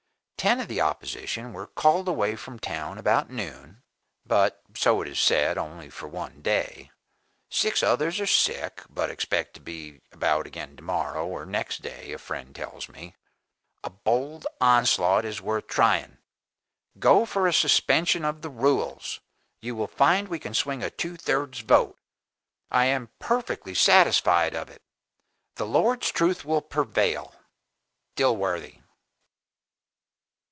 Ten of the opposition were called away from town about noon,(but so it is said only for one day). Six others are sick, but expect to be about again tomorrow or next day, a friend tells me. A bold onslaught is worth trying. Go for a suspension of the rules! You will find we can swing a two thirds vote I am perfectly satisfied of it. The Lord's truth will prevail. "DILWORTHY.